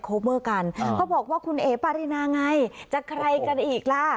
เมอร์กันเขาบอกว่าคุณเอ๋ปารินาไงจะใครกันอีกล่ะ